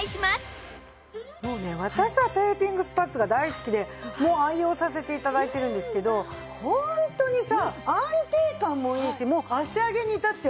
もうね私はテーピングスパッツが大好きで愛用させて頂いてるんですけどホントにさ安定感もいいし脚上げに至ってはスムーズにね